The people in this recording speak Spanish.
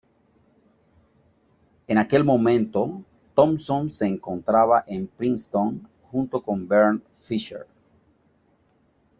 En aquel momento, Thompson se encontraba en Princeton junto con Bernd Fischer.